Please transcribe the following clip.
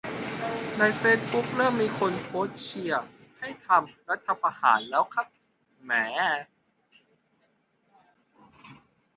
ในเฟซบุ๊กเริ่มมีคนโพสต์เชียร์ให้ทำรัฐประหารแล้วครับ แหม่